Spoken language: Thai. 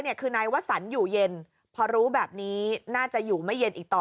คือนายวสันอยู่เย็นพอรู้แบบนี้น่าจะอยู่ไม่เย็นอีกต่อ